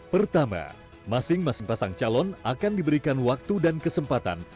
pertama masing masing pasang calon akan diberikan waktu dan kesempatan